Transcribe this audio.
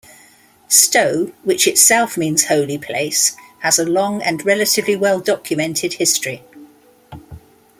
Stow, which itself means "Holy Place" has a long and relatively well-documented history.